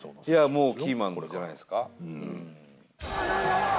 もうキーマンじゃないですか。